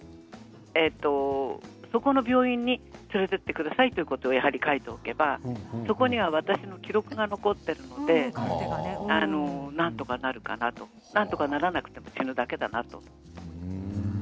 そこの病院に連れてってくださいということを書いておけばそこには私の記録が残っているのでなんとかならなくても死ぬだけだなと。